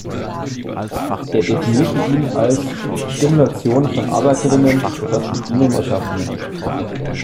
Er definierte ihn als: "Stimulation von Arbeiterinnen durch das von ihnen Erschaffene".